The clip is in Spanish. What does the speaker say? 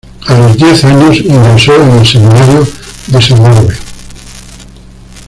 A los diez años ingresó en el Seminario de Segorbe.